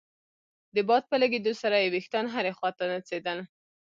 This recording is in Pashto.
د باد په لګېدو سره يې ويښتان هرې خوا ته نڅېدل.